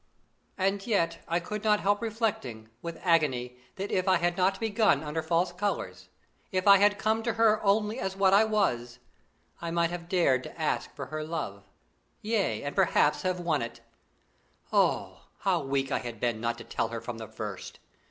And yet I could not help reflecting, with agony, that if I had not begun under false colours, if I had come to her only as what I was, I might have dared to ask for her love yea, and perhaps have won it. Oh, how weak I had been not to tell her from the first!